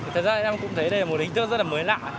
thật ra em cũng thấy đây là một hình thức rất là mới lạ